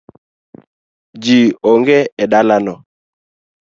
Ji onge e dalano